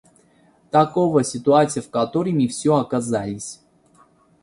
Такова ситуация, в которой мы все оказались.